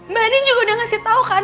mbak adin juga udah kasih tau kan